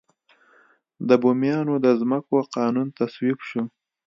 د بوميانو د ځمکو قانون تصویب شو.